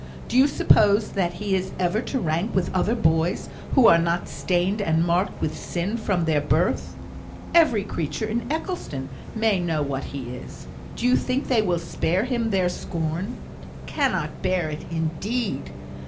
Do you suppose that he is ever to rank with other boys, who are not stained and marked with sin from their birth? Every creature in Eccleston may know what he is; do you think they will spare him their scorn? 'Cannot bear it,' indeed!